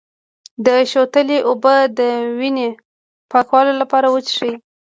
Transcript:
د شوتلې اوبه د وینې پاکولو لپاره وڅښئ